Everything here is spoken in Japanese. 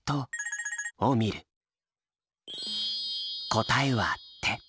答えは「手」。